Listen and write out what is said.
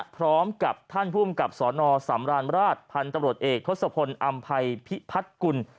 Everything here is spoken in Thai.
พร้อมกับท่านภูมิกับสนสำราญราชพันธุ์ตำรวจเอกทศพลอำภัยพิพัฒน์กุล